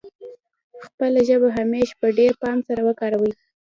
خپله ژبه همېش په ډېر پام سره وکاروي.